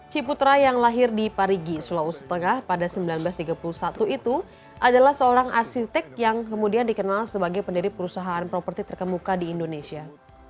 ciputra yang lahir di parigi sulawesi tengah pada seribu sembilan ratus tiga puluh satu itu adalah seorang arsitek yang kemudian dikenal sebagai pendiri perusahaan properti terkemuka di indonesia